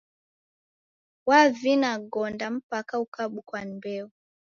Wavina gonda mpaka ukabukwa ni mbeo.